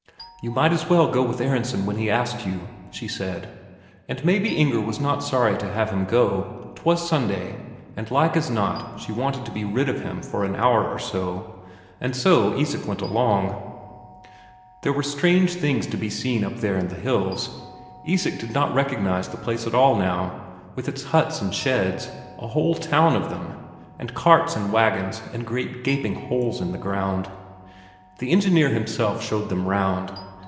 "You might as well go with Aronsen, when he asks you," she said. And maybe Inger was not sorry to have him go; 'twas Sunday, and like as not she wanted to be rid of him for an hour or so. And so Isak went along. There were strange things to be seen up there in the hills; Isak did not recognize the place at all now, with its huts and sheds, a whole town of them, and carts and waggons and great gaping holes in the ground. The engineer himself showed them round.